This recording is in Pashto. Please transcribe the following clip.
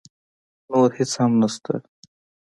نور هېڅ هم نه شته.